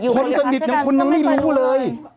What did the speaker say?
คนสนิทของคนนั้นไม่รู้เลย